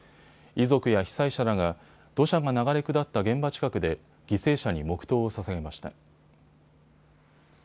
遺族や被災者らが土砂が流れ下った現場近くで犠牲者に黙とうをささげました。